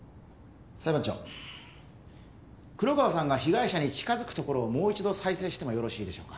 裁判長黒川さんが被害者に近づくところをもう一度再生してもいいですか？